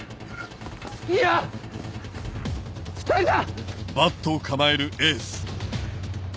いや２人だ！